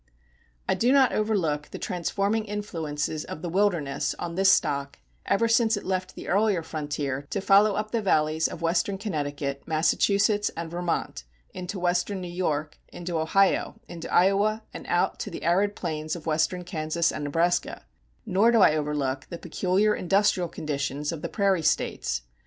I do not overlook the transforming influences of the wilderness on this stock ever since it left the earlier frontier to follow up the valleys of western Connecticut, Massachusetts, and Vermont, into western New York, into Ohio, into Iowa, and out to the arid plains of western Kansas and Nebraska; nor do I overlook the peculiar industrial conditions of the prairie States.